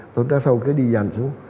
tôi nói thôi cứ đi dành xuống